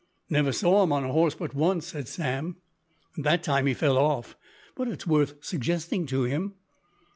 "Never saw him on a horse but once," said Sam, "and that time he fell off. But it's worth suggesting to him."